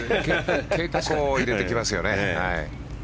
結構入れてきますよね。